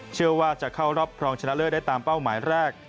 เชื่อว่าจะเข้ารอบครองชนะเลิศได้ตามเป้าหมายแรก